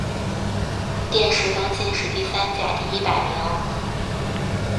殿试登进士第三甲第一百名。